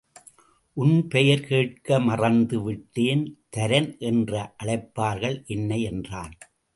உன் பெயர் கேட்க மறந்து விட்டேன். தரன் என்று அழைப்பார்கள் என்னை என்றான்.